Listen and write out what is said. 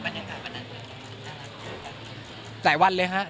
บรรยากาศบรรยากาศด้วย